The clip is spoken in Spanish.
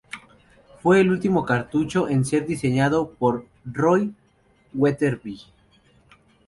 Fue el último cartucho en ser diseñado por Roy Weatherby.